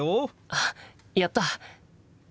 あっやった！